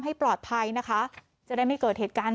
ให้ปลอดภัยนะคะจะได้ไม่เกิดเหตุการณ์